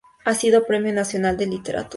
Ha sido Premio Nacional de Literatura.